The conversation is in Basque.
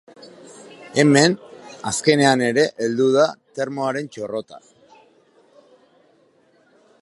Hemen, azkenean ere heldu da termoaren txorrota!